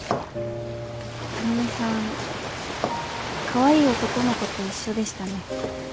かわいい男の子と一緒でしたね。